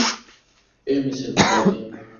এ Michelle, দাদি।